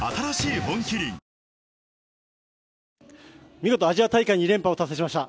見事、アジア大会２連覇を達成しました。